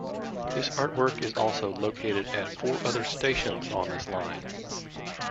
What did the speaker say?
This artwork is also located at four other stations on this line.